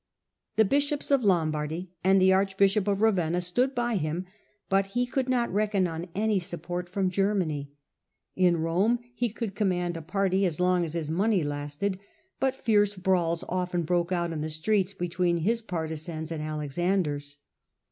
The bishops of Lombardy and the archbishop of Ravenna stood by him, but he could not reckon on any support from Germany. In Rome he could com mand a party as long as his money lasted, but fierce brawls often broke out in the streets between his par tisans and Alexander's.